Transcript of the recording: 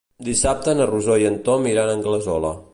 Dissabte na Rosó i en Tom iran a Anglesola.